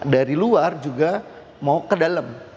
dari luar juga mau ke dalam